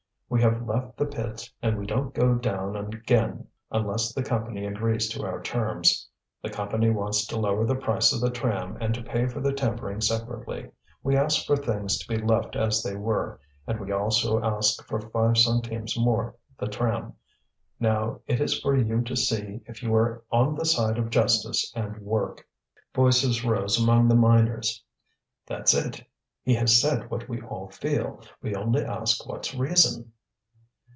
We have left the pits and we don't go down again unless the Company agrees to our terms. The Company wants to lower the price of the tram and to pay for the timbering separately. We ask for things to be left as they were, and we also ask for five centimes more the tram. Now it is for you to see if you are on the side of justice and work." Voices rose among the miners. "That's it he has said what we all feel we only ask what's reason."